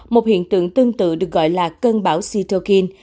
một hiện tượng tương tự được gọi là cân bão cytokine